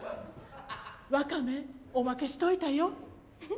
わかめ、おまけしといたよ。